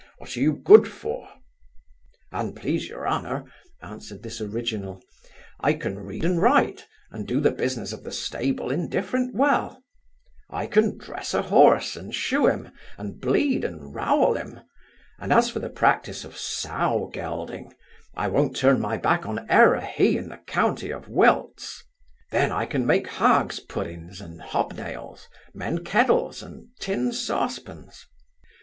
what are you good for?' 'An please your honour (answered this original) I can read and write, and do the business of the stable indifferent well I can dress a horse, and shoe him, and bleed and rowel him; and, as for the practice of sow gelding, I won't turn my back on e'er a he in the county of Wilts Then I can make hog's puddings and hob nails, mend kettles and tin sauce pans.